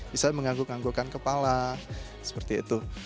misalnya mengangguk anggukkan kepala seperti itu